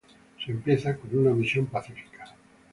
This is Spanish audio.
Se empieza con una misión pacífica.